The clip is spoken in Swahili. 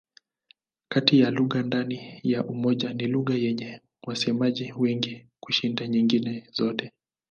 Kati ya lugha ndani ya Umoja ni lugha yenye wasemaji wengi kushinda nyingine zote.